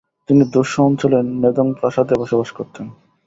তিনি দ্বুস অঞ্চলে নেদোং প্রাসাদে বসবাস করতেন।